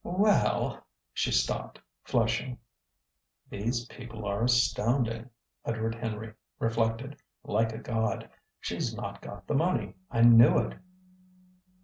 "Well " she stopped, flushing. ("These people are astounding," Edward Henry reflected, like a god. "She's not got the money. I knew it!")